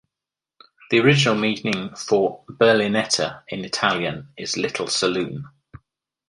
The original meaning for "berlinetta" in Italian is "little saloon".